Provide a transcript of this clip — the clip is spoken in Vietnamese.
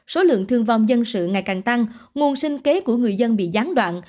số lượng thương vong dân sự ngày càng tăng nguồn sinh kế của người dân bị gián đoạn